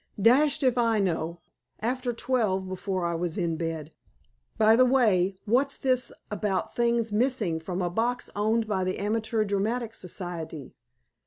"Dashed if I know. After twelve before I was in bed. By the way, what's this about things missing from a box owned by the Amateur Dramatic Society?